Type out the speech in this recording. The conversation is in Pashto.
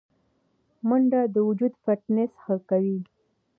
منډه د وجود فټنس ښه کوي